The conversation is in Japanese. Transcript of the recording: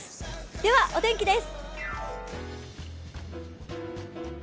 ではお天気です。